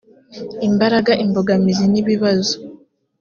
imbaraga imbogamizi n ibibazo